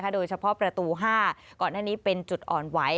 โดยเฉพาะประตู๕ก่อนหน้านี้เป็นจุดอ่อนไหว